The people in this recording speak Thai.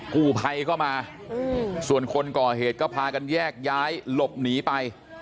กู้ภัยก็มาส่วนคนก่อเหตุก็พากันแยกย้ายหลบหนีไป